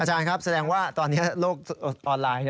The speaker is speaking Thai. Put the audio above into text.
อาจารย์ครับแสดงว่าตอนนี้โลกออนไลน์